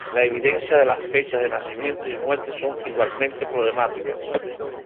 La evidencia de las fechas de nacimiento y muerte son igualmente problemáticas.